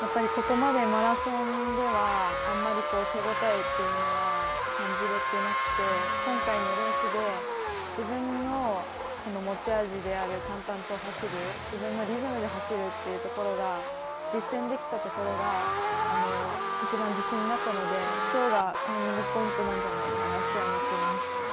やっぱり、ここまでマラソンではあんまり手応えというのは感じれてなくて、今回のレースで自分の持ち味である淡々と走る、自分のリズムで走るというところが実践できたところがいちばん自信になったので、きょうがターニングポイントなんじゃないかなって思っています。